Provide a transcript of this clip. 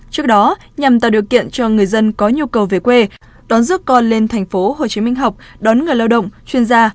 trước đó nhằm tạo điều kiện cho người dân có nhu cầu về quê đón rước con lên tp hcm học đón người lao động chuyên gia